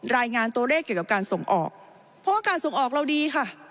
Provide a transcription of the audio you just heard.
รายงานตัวเลขเกี่ยวกับการส่งออกเพราะว่าการส่งออกเราดีค่ะ